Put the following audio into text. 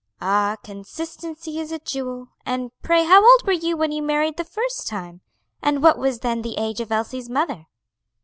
"Ah, consistency is a jewel! and pray how old were you when you married the first time? and what was then the age of Elsie's mother?"